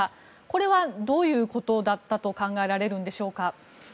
これはどういうことだったと考えられるんでしょうか。